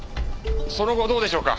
その後どうでしょうか？